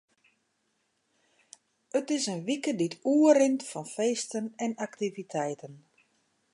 It is in wike dy't oerrint fan feesten en aktiviteiten.